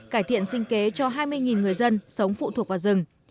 cải thiện sinh kế cho hai mươi người dân sống phụ thuộc vào rừng